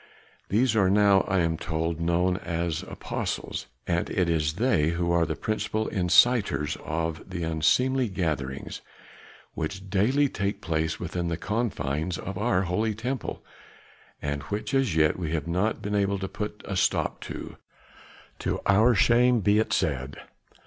These are now I am told known as apostles; and it is they who are the principal inciters of the unseemly gatherings which daily take place within the confines of our Holy Temple, and which as yet we have not been able to put a stop to. To our shame be it said!"